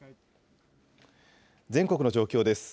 全国の状況です。